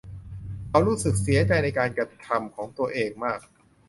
เขารู้สึกเสียใจในการกระทำของตัวเองมาก